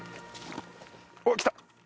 おっ来た！